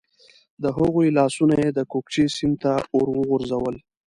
د هغوی لاسونه یې د کوکچې سیند ته ور وغورځول.